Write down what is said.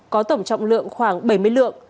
có tổng trọng lượng khoảng bảy mươi lượng